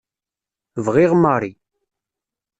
Bɣiɣ Mary.